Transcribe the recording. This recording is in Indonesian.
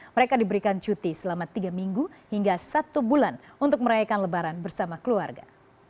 mereka diberikan cuti selama tiga minggu hingga satu bulan untuk merayakan lebaran bersama keluarga